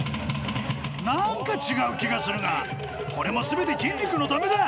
なんか違う気がするがこれも全て筋肉のためだ！